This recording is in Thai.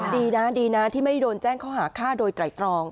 ดีนะที่ไม่ได้โดนแจ้งข้อหาค่าโดยไตรอง